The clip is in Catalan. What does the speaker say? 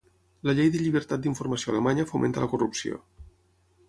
La llei de llibertat d'informació alemanya fomenta la corrupció.